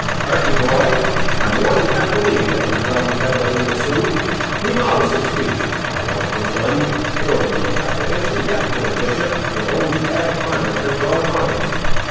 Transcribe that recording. "Harkee, boy: I more than half believe that your drowsy head let in the Siouxes. Be modest in speech, my watchful son, or you may have to answer yet for the mischief your own bad conduct has brought upon us."